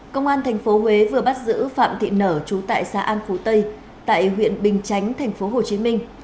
công an tp huế vừa bắt giữ phạm thị nở trú tại xã an phú tây tại huyện bình chánh thành phố hồ chí minh